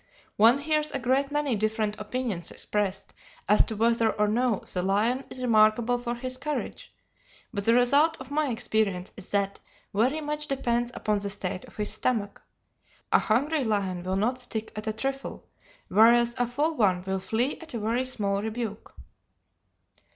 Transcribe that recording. One hears a great many different opinions expressed as to whether or no the lion is remarkable for his courage, but the result of my experience is that very much depends upon the state of his stomach. A hungry lion will not stick at a trifle, whereas a full one will flee at a very small rebuke.